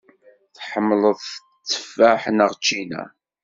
Tḥemmleḍ tteffaḥ neɣ ččina?